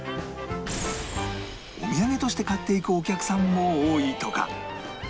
お土産として買っていくお客さんも多いとか